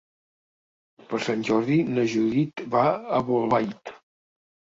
Per Sant Jordi na Judit va a Bolbait.